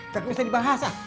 tapi bisa dibahas ah